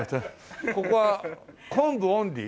ここは昆布オンリー？